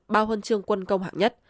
bao huân chương quân công hạng nhất